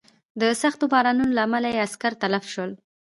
د سختو بارانونو له امله یې عسکر تلف شول.